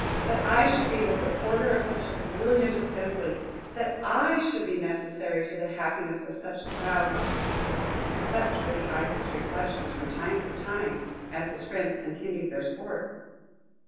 that I should be the supporter of such a brilliant assembly! that I should be necessary to the happiness of such crowds!" Such were the Ice's reflections from time to time, as his friends continued their sports.